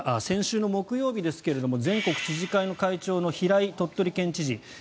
先週の木曜日ですが全国知事会の会長、平井鳥取県知事